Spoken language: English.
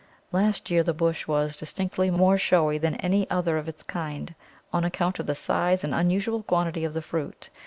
Last year the bush was distinctly more showy than any other of its kind, on account of the size and unusual quantity of the fruit.